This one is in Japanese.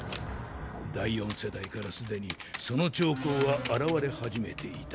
第四世代から既にその兆候は現れ始めていた。